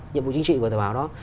nhiệm vụ chính trị của tờ báo đó